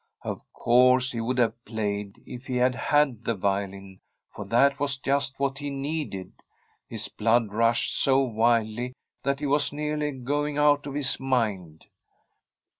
C)l course he would have played, if he had had the violin, for that was just what he needed. His blood rushed so wildly, that he was nearly going out of his mind.